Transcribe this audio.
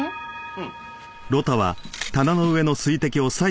うん。